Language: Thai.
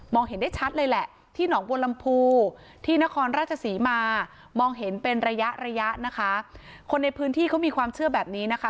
เห็นได้ชัดเลยแหละที่หนองบัวลำพูที่นครราชศรีมามองเห็นเป็นระยะระยะนะคะคนในพื้นที่เขามีความเชื่อแบบนี้นะคะ